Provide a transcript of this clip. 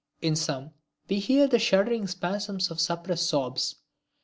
In some we hear the shuddering spasms of suppressed sobs.